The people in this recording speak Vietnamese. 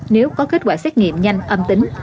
nếu có kết quả xếp nghiệm nhanh âm tính